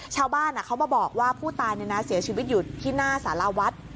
ชาวบ้านเขามาบอกว่าผู้ตายเสียชีวิตอยู่ที่หน้าสารวัฒน์